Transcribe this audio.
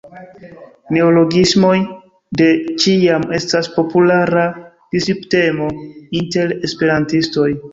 Neologismoj de ĉiam estas populara disputtemo inter esperantistoj.